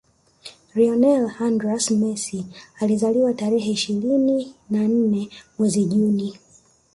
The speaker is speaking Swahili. Lionel AndrÃs Messi alizaliwa tarehe ishirini na nne mwezi Juni